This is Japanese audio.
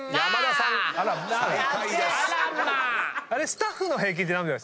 スタッフの平均って何秒？